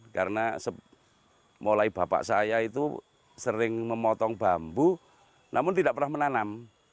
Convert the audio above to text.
karena mulai bapak saya itu sering memotong bambu namun tidak pernah menanam